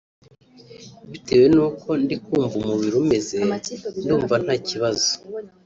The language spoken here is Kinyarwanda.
bitewe nuko ndi kumva umubiri umeze ndumva nta kibazo